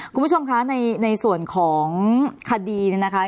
คุณผู้ชมคะในส่วนของคดีเนี่ยนะคะ